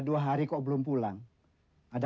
karena yang thickness nya moderat aja